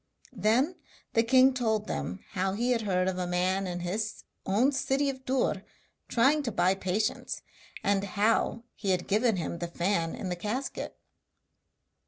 Then the king told them how he had heard of a man in his own city of Dûr trying to buy patience, and how he had given him the fan in the casket.